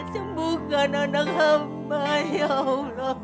sembuhkan anak kamu